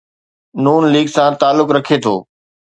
نون ليگ سان تعلق رکي ٿو.